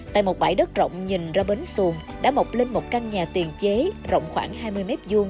tại một bãi đất rộng nhìn ra bến xuồng đã mọc lên một căn nhà tiền chế rộng khoảng hai mươi m hai